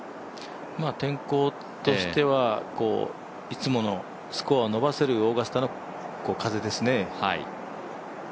天候としては、いつものスコアを伸ばせるオーガスタの風ですね。